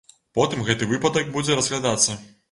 Потым гэты выпадак будзе разглядацца.